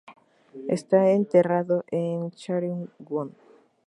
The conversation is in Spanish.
Está enterrado en Sareung-won.